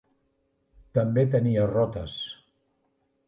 També tenia rotes.